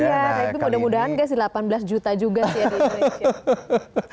iya tapi mudah mudahan gak sih delapan belas juta juga sih ya di indonesia